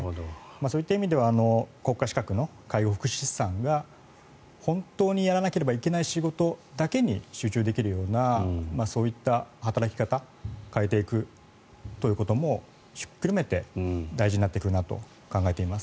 そういった意味では国家資格の介護福祉士さんが本当にやらなければいけない仕事だけに集中できるようなそういった働き方変えていくということもひっくるめて大事になってくるなと考えています。